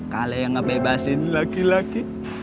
kali yang ngebebasin laki laki